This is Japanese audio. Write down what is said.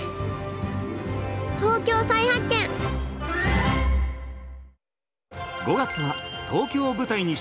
「＃東京再発見」。